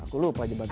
aku lupa jembatan